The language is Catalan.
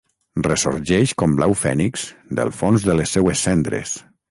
Ressorgeix com l’au fènix del fons de les seues cendres...